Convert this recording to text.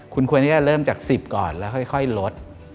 คุณควรที่จะเริ่มจาก๑๐ก่อนแล้วค่อยลด